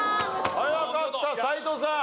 早かった斎藤さん。